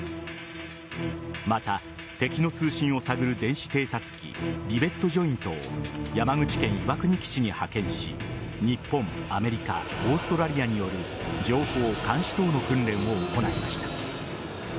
また、敵の通信を探る電子偵察機リベットジョイントを山口県岩国基地に派遣し日本、アメリカオーストラリアによる情報監視等の訓練を行いました。